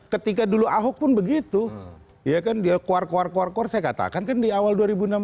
ketika dulu ahok pun begitu ya kan dia kuar kuar kuar kuar saya katakan kan di awal dua ribu enam belas